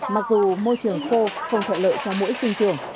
mặc dù môi trường khô không thuận lợi cho mũi sinh hoạt